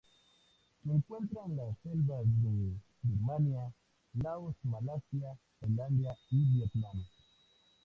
Se encuentra en las selvas de Birmania, Laos, Malasia, Tailandia y Vietnam.